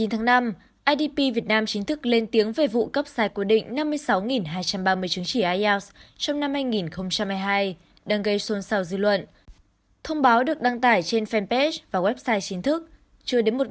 hãy đăng ký kênh để ủng hộ kênh của chúng mình nhé